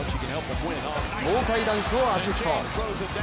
豪快ダンクをアシスト。